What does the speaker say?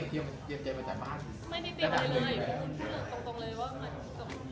ก็มีไม่ได้ตื่นที่ใหม่เลยว่าขาชะนี้ก็คงไม่รู้อะไร